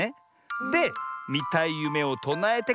でみたいゆめをとなえてからめをつむる。